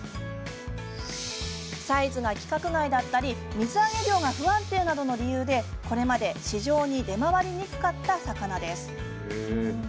サイズが規格外だったり水揚げ量が不安定などの理由でこれまで市場に出回りにくかった魚です。